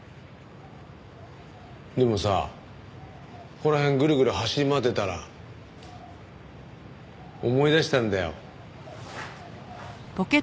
でもさここら辺ぐるぐる走り回ってたら思い出したんだよ。